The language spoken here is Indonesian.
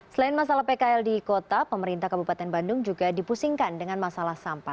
selain masalah pkl di kota pemerintah kabupaten bandung juga dipusingkan dengan masalah sampah